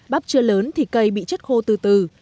bắp chưa lớn thì cây bị chất khô từ từ